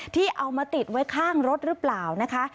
ที่เอามาติดไว้ข้างรถหรือเปล่านะคะ